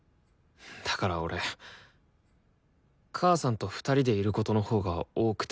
だから俺母さんと２人でいることのほうが多くてさ。